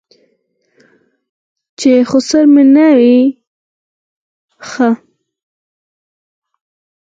چې خسر مې نه وي ښه.